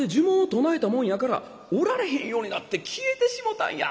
唱えたもんやからおられへんようになって消えてしもうたんや。